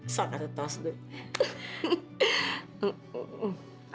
satu satu saja deh